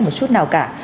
một chút nào cả